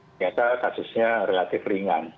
ternyata kasusnya relatif ringan